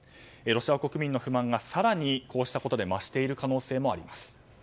ロシア国民の不満が更にこうしたことで増している可能性があります。